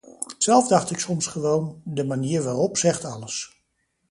Zelf dacht ik soms gewoon: de manier waarop zegt alles.